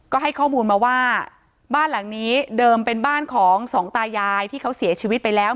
ก็ให้ข้อมูลมาว่าบ้านหลังนี้เดิมเป็นบ้านของสองตายายที่เขาเสียชีวิตไปแล้ว